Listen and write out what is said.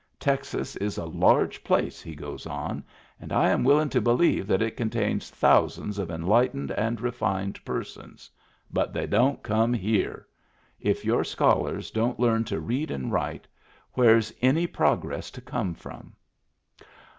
Texas is a large place," he goes on, "and I am willin* to believe that it contains thousands of enlightened and refined persons — but they don't come here. If your scholars don't learn to read and write, where's any prog ress to come from